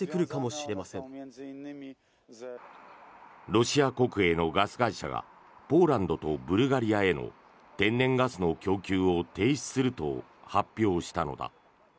ロシア国営のガス会社がポーランドとブルガリアへの天然ガスの供給を停止すると発表したのだ。